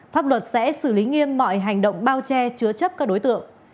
pháp luật sẽ xử lý nghiêm mọi hành động bao che chứa chấp các đối tượng